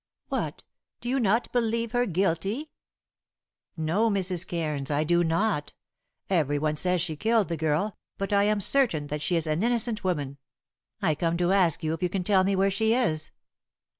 "What! do you not believe her guilty?" "No, Mrs. Cairns, I do not. Every one says she killed the girl, but I am certain that she is an innocent woman. I come to ask you if you can tell me where she is."